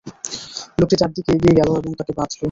লোকটি তার দিকে এগিয়ে গেল এবং তাকে বাঁধল।